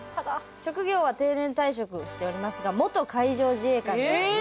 職業は定年退職しておりますが元海上自衛官でございます。